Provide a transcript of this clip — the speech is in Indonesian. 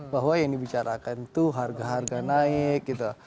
bahwa yang dibicarakan itu harga harga naik gitu